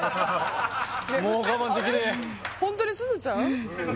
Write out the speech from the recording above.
ホントにすずちゃん？